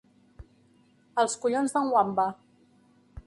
Els collons d'en Wamba!